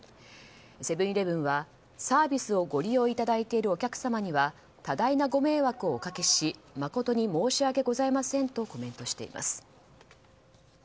セブン‐イレブンはサービスをご利用いただいているお客様には多大なご迷惑をおかけし誠に申し訳ございませんとコメントしています。